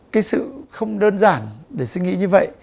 cái sự không đơn giản để suy nghĩ như vậy